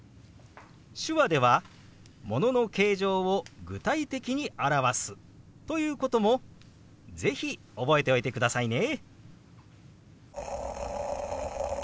手話では物の形状を具体的に表すということも是非覚えておいてくださいね。